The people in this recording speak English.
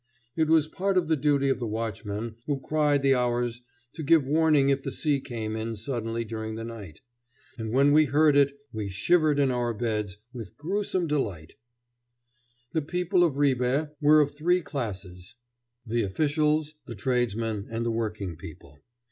It was part of the duty of the watchmen who cried the hours to give warning if the sea came in suddenly during the night. And when we heard it we shivered in our beds with gruesome delight. The people of Ribe were of three classes: the officials, the tradesmen, and the working people.